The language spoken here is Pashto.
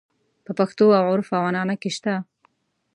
په پښتو او عُرف او عنعنه کې شته.